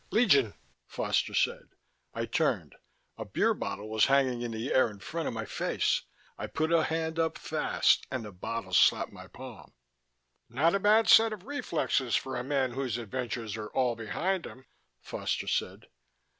"Legion," Foster said. I turned. A beer bottle was hanging in the air in front of my face. I put a hand up fast and the bottle slapped my palm. "Not bad set of reflexes for a man whose adventures are all behind him," Foster said.